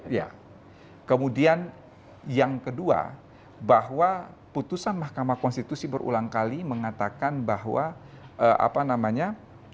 iya kemudian yang kedua bahwa putusan mahkamah konstitusi berulang kali mengatakan bahwa apa namanya